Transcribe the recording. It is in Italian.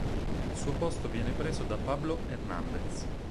Il suo posto viene preso da Pablo Hernández.